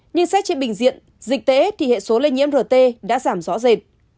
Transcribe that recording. nhưng xét trên bình diện dịch tễ thì hệ số lây nhiễm rt đã giảm rõ rệt